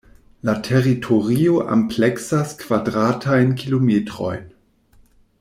La teritorio ampleksas kvadratajn kilometrojn.